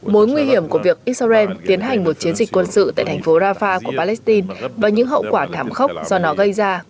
mối nguy hiểm của việc israel tiến hành một chiến dịch quân sự tại thành phố rafah của palestine và những hậu quả thảm khốc do nó gây ra cũng đã được thảo luận